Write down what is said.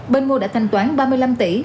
bên mua đã thanh toán ba mươi năm tỷ